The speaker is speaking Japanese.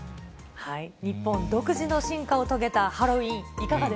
日本独自の進化を遂げたハロウィーン。